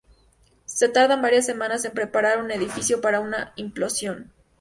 Se tardan varias semanas en preparar un edificio para una implosión.